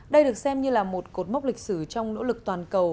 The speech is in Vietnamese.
đây được xem như là một cột mốc lịch sử trong nỗ lực toàn cầu